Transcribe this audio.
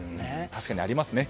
確かにありますね